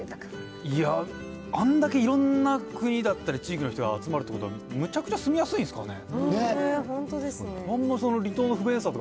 いや、あんだけいろんな国だったり、地域の人が集まるってことはむちゃくちゃ住みやすいんですかね。